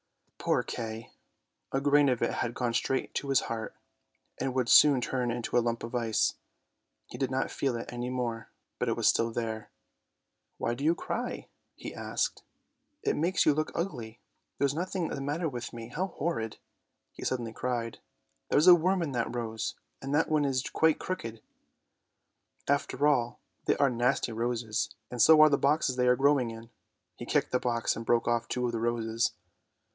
Poor Kay! a grain of it had gone straight to his heart, and would soon turn it to a lump of ice. He did not feel it any more, but it was still there. " Why do you cry? " he asked; " it makes you look ugly; there's nothing the matter with me. How horrid! " he suddenly cried; " there's a worm in that rose, and that one is quite crooked; after all, they are nasty roses, and so are the boxes they are growing in! " He kicked the box and broke off two of the roses.